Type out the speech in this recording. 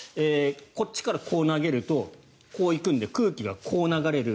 こっちからこう投げるとこう行くので空気がこう流れる。